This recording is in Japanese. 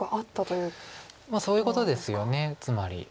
まあそういうことですよねつまり。